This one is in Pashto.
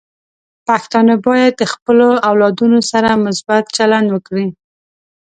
پښتانه بايد د خپلو اولادونو سره مثبت چلند وکړي.